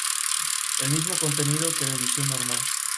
El mismo contenido que la edición normal.